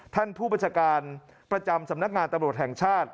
ท่านผู้บัญชาการประจำสำนักงานตำรวจแห่งชาติ